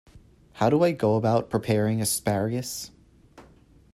How do I go about preparing asparagus?